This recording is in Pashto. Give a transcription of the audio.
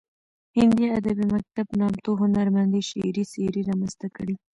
هندي ادبي مکتب نامتو هنرمندې شعري څیرې رامنځته کړې